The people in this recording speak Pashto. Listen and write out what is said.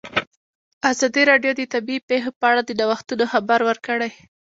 ازادي راډیو د طبیعي پېښې په اړه د نوښتونو خبر ورکړی.